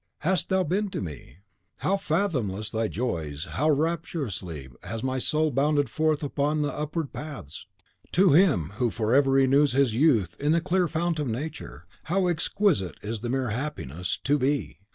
hast thou been to me. How fathomless thy joys, how rapturously has my soul bounded forth upon the upward paths! To him who forever renews his youth in the clear fount of Nature, how exquisite is the mere happiness TO BE!